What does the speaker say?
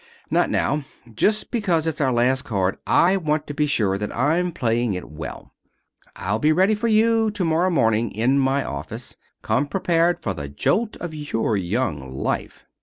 "Not now. Just because it's our last card I want to be sure that I'm playing it well. I'll be ready for you to morrow morning in my office. Come prepared for the jolt of your young life."